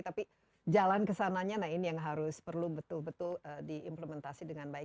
tapi jalan kesananya nah ini yang harus perlu betul betul diimplementasi dengan baik